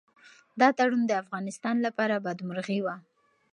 دا تړون د افغانستان لپاره بدمرغي وه.